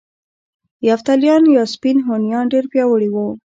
یفتلیان یا سپین هونیان ډیر پیاوړي وو